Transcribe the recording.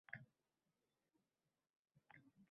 Yuragim xastaligi, tug`uruqni ko`tara olmasligimni aytishdi